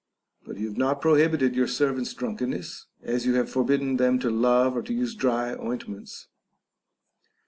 But you have not prohibited your servants' drunkenness, as you have forbidden them to love or to use dry ointments.